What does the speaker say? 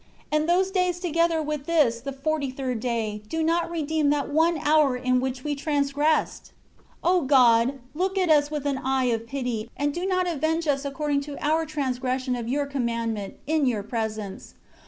6 And those days together with this the forty third day, do not redeem that one hour in which we transgressed! 7 O God, look at us with an eye of pity, and do not avenge us according to our transgression of Your commandment, in Your presence.